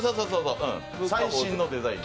最新のデザイン。